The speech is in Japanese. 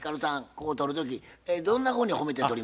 こう撮る時どんなふうに褒めて撮りますか？